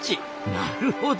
なるほど。